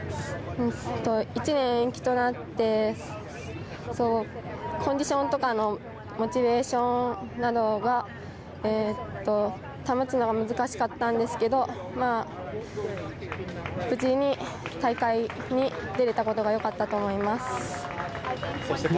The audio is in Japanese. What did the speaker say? １年延期となって、コンディションとかモチベーションなどを保つのが難しかったんですけど、無事に大会に出られたことがよかったと思います。